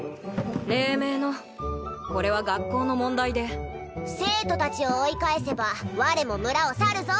黎明のこれは学校の問題で生徒達を追い返せば我も村を去るぞ！